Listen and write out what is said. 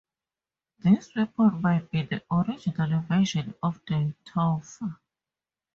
This weapon might be the original version of the tonfa.